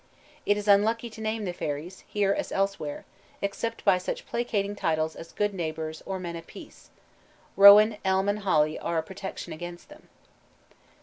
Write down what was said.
It is unlucky to name the fairies, here as elsewhere, except by such placating titles as "Good Neighbors" or "Men of Peace." Rowan, elm, and holly are a protection against them.